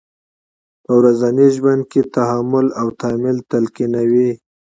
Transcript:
په ورځني ژوند کې تحمل او تامل تلقینوي.